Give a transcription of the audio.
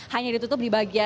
hanya ditutup di bagian